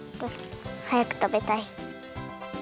はやくたべたい。